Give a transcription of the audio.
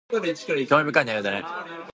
興味深い内容だね